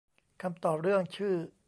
คำตอบเรื่องชื่อ